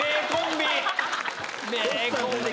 名コンビ！